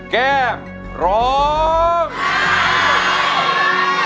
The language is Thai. แก้มขอมาสู้เพื่อกล่องเสียงให้กับคุณพ่อใหม่นะครับ